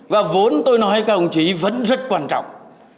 và vốn tôi nói là ông chỉ vẫn rất quan trọng